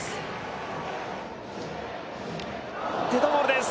デッドボールです。